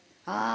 ああ！